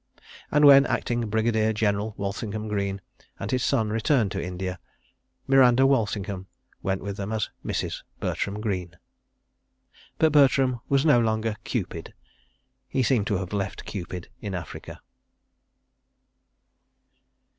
... And when acting Brigadier General Walsingham Greene and his son returned to India, Miranda Walsingham went with them as Mrs. Bertram Greene. But Bertram was no longer "Cupid"—he seemed to have left "Cupid" in Africa.